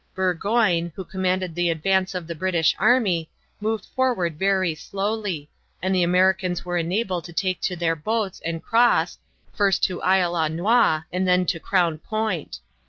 Burgoyne, who commanded the advance of the English army, moved forward very slowly, and the Americans were enabled to take to their boats and cross, first to Isle aux Noix and then to Crown Point.